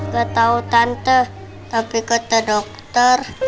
gatau tante tapi kata dokter